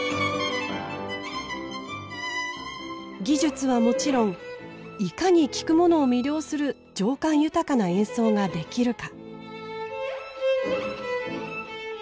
技術はもちろんいかに聴く者を魅了する情感豊かな演奏ができるか。